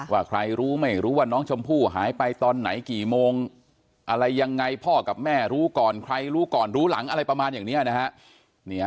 ว่าใครรู้ไม่รู้ว่าน้องชมพู่หายไปตอนไหนกี่โมงอะไรยังไงพ่อกับแม่รู้ก่อนใครรู้ก่อนรู้หลังอะไรประมาณอย่างนี้นะฮะ